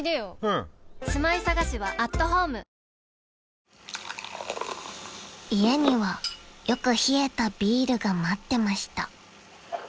⁉ＬＧ２１［家にはよく冷えたビールが待ってました］